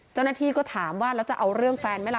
เจ้าหน้าที่ก็ถามว่าแล้วจะเอาเรื่องแฟนไหมล่ะ